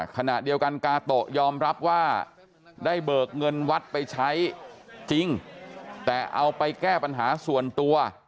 ขณะเดียวกันกาโตะยอมรับว่าได้เบิกเงินวัดไปใช้จริงแต่เอาไปแก้ปัญหาส่วนตัว